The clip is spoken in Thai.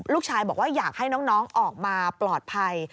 ลูกชายบอกว่าอยากให้น้องออกมาปลอดภัย